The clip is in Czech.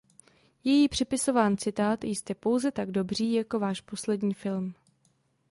Je jí připisován citát "„Jste pouze tak dobří jako váš poslední film“".